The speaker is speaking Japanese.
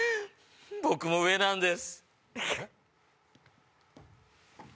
僕も上なんですえっ？